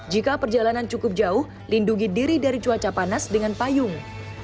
jika perjalanan cukup jauh lindungi diri dari cuaca panas dengan payung